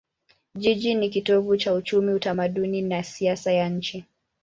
Jiji ni kitovu cha uchumi, utamaduni na siasa ya nchi.